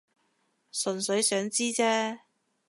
純粹想知啫